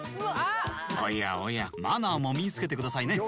おやおや、マナーも身につけてくださいね。